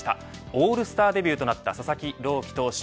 オールスターデビューとなった佐々木朗希投手。